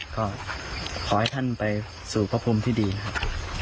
ก็ขอให้ท่านไปสู่ผู้คุมที่ดีนะครับ